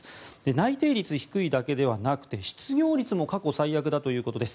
内定率が低いだけではなくて失業率も過去最悪だということです。